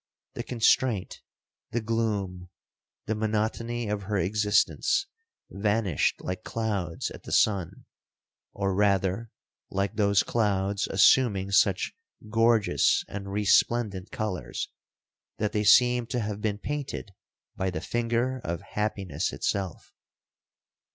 The constraint, the gloom, the monotony of her existence, vanished like clouds at the sun, or rather like those clouds assuming such gorgeous and resplendent colours, that they seemed to have been painted by the finger of happiness itself.